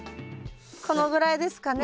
このぐらいですかね？